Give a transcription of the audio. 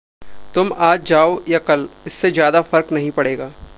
तुम आज जाओ या कल, इससे ज़्यादा फ़र्क नहीं पड़ेगा।